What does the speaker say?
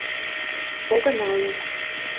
Огына лук!